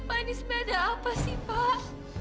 pak ini sebenarnya ada apa sih pak